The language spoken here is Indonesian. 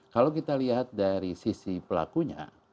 kalau kita lihat dari sisi pelakunya